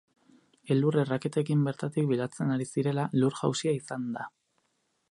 Elur-erraketekin bertatik ibiltzen ari zirela, lur-jausia izan da.